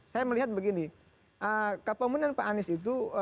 saya melihat begini kepemilinan pak anies itu